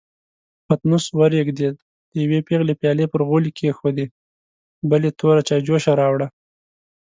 پتنوس ورېږدېد، يوې پېغلې پيالې پر غولي کېښودې، بلې توره چايجوشه راوړه.